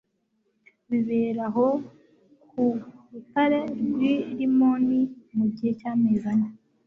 bibera aho ku rutare rw'i rimoni mu gihe cy'amezi ane